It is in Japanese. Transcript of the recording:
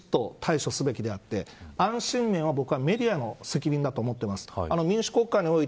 それと政治は、安全面をきちっと対処すべきであって安心面は、メディアの責任だと思っています。